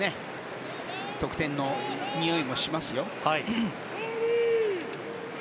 得点のにおいもしますよ。